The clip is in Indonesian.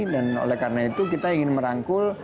dan oleh karena itu kita ingin merangkul